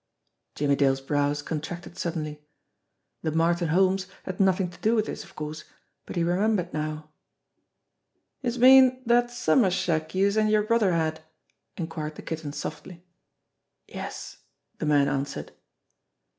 Jimmie Dale's brows contracted suddenly. The Martin Holmes had nothing to do with this, of course ; but he re membered now "Youse mean dat summer shack youse an' yer brother had?" inquired the Kitten softly. "Yes," the man answered.